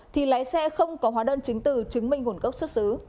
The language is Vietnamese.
thì lái xe không có hóa đơn chứng từ chứng minh nguồn gốc xuất xứ